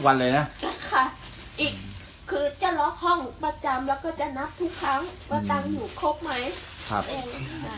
สวัสดีทุกคน